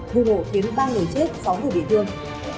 vụ nổ khiến ba người chết sáu người bị thương